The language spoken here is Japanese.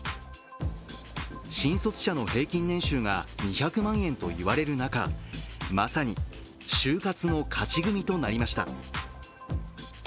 新卒者の平均年収が２００万円と言われる中、まさに就活の勝ち組となりました。